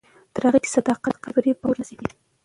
تر هغه چې صداقت وي، فریب به خپور نه شي.